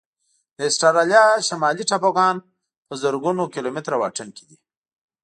د استرالیا شمالي ټاپوګان په زرګونو کيلومتره واټن کې دي.